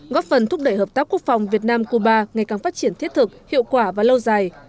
góp phần thúc đẩy hợp tác quốc phòng việt nam cuba ngày càng phát triển thiết thực hiệu quả và lâu dài